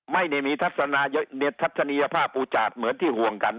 ไม่ได้มีทัศนียภาพอุจาดเหมือนที่ห่วงกัน